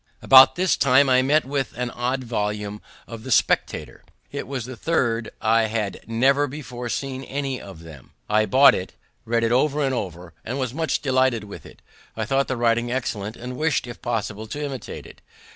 About this time I met with an odd volume of the Spectator. It was the third. I had never before seen any of them. I bought it, read it over and over, and was much delighted with it. I thought the writing excellent, and wished, if possible, to imitate it.